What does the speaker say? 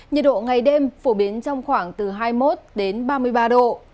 nhiệt độ ngày đêm phổ biến trong khoảng từ hai mươi một đến ba mươi ba độ